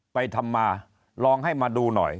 ไปทำมาลองให้มาดูหน่อย